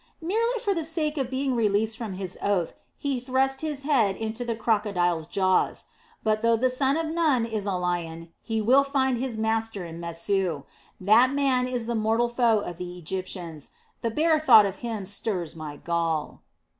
Merely for the sake of being released from his oath, he thrust his head into the crocodile's jaws. But though the son of Nun is a lion, he will find his master in Mesu. That man is the mortal foe of the Egyptians, the bare thought of him stirs my gall."